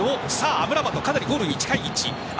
アムラバトゴールに近い位置。